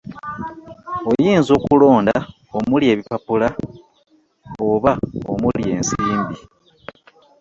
Oyinza okulonda omuli ebipapula oba omuli ensimbi.